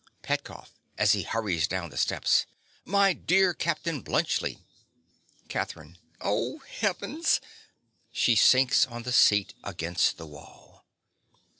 _) PETKOFF. (as he hurries down the steps). My dear Captain Bluntschli— CATHERINE. Oh Heavens! (_She sinks on the seat against the wall.